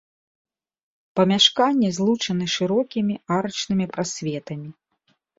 Памяшканні злучаны шырокімі арачнымі прасветамі.